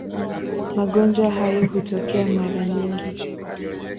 Magonjwa hayo hutokea mara nyingi.